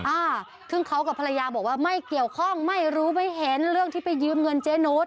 อ่าซึ่งเขากับภรรยาบอกว่าไม่เกี่ยวข้องไม่รู้ไม่เห็นเรื่องที่ไปยืมเงินเจ๊นุษ